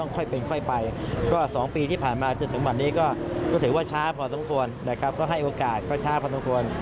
ก็ให้โอกาสเพราะชาติพอทั้งควร